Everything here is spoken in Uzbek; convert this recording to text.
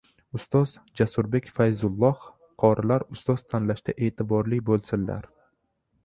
Ustoz Jasurbek Fayzulloh: "Qorilar ustoz tanlashda e’tiborli bo‘lsinlar..."